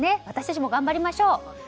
私たちも頑張りましょう。